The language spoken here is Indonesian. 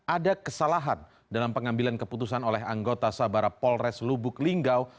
ada kesalahan dalam pengambilan keputusan oleh anggota sabara polres lubuk linggau